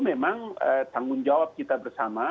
memang tanggung jawab kita bersama